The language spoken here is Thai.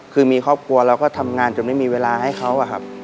คือมีครอบครัวเราก็ทำงานจนไม่มีเวลาให้เขาอะครับ